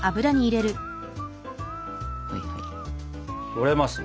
とれますね。